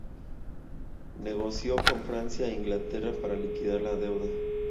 Negoció con Francia e Inglaterra para liquidar la deuda.